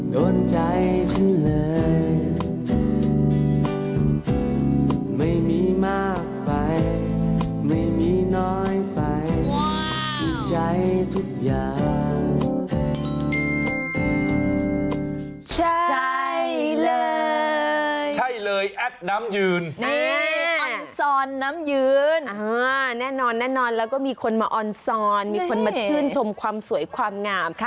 ได้เลยแอดน้ำยืนออนซอนน้ำยืนแน่นอนแล้วก็มีคนมาออนซอนมีคนมาชื่นชมความสวยความงาม